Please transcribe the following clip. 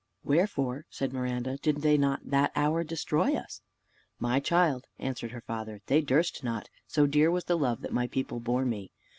"Wherefore," said Miranda, "did they not that hour destroy us?" "My child," answered her father, "they durst not, so dear was the love that my people bore me.